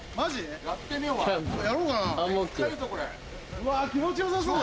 うわ気持ち良さそうだ